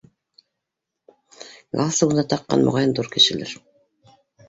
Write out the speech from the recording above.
Галстугын да таҡҡан, моғайын, ҙур кешелер.